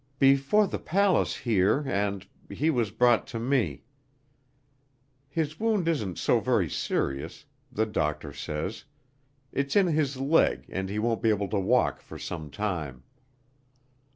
"Before the palace here and he was brought to me. His wound isn't so very serious, the doctor says, it's in his leg and he won't be able to walk for some time."